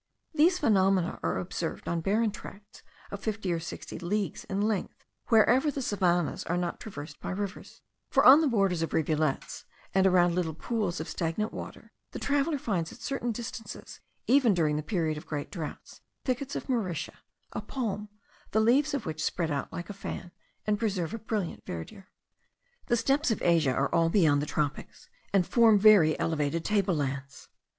These phenomena are observed on barren tracts of fifty or sixty leagues in length, wherever the savannahs are not traversed by rivers; for on the borders of rivulets, and around little pools of stagnant water, the traveller finds at certain distances, even during the period of the great droughts, thickets of mauritia, a palm, the leaves of which spread out like a fan, and preserve a brilliant verdure. The steppes of Asia are all beyond the tropics, and form very elevated table lands.